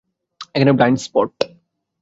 এখানে blind spot.